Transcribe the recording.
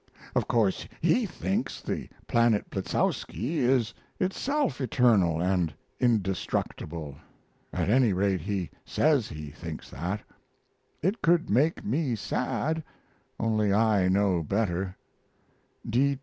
Of course he thinks the planet Blitzowski is itself eternal and indestructible at any rate he says he thinks that. It could make me sad, only I know better.